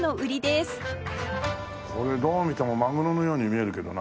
これどう見てもマグロのように見えるけどな。